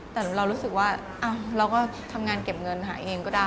แต่เรารู้สึกว่าเราก็ทำงานเก็บเงินหาเองก็ได้